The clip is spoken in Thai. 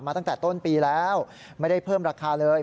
ตั้งแต่ต้นปีแล้วไม่ได้เพิ่มราคาเลย